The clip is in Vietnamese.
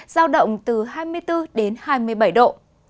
giao động từ hai mươi bốn đến hai mươi bảy độ